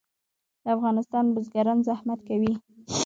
د افغانستان بزګران زحمت کوي